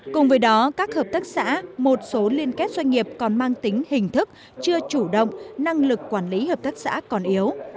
cùng với đó các hợp tác xã một số liên kết doanh nghiệp còn mang tính hình thức chưa chủ động năng lực quản lý hợp tác xã còn yếu